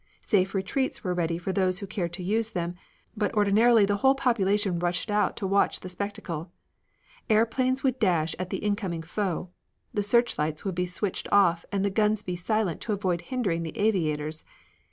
Safe retreats were ready for those who cared to use them, but ordinarily the whole population rushed out to watch the spectacle. Airplanes would dash at the incoming foe; the searchlights would be switched off and the guns be silent to avoid hindering the aviators.